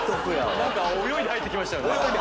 何か泳いで入って来ましたよね。